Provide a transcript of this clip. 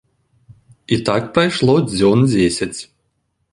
І так прайшло дзён дзесяць.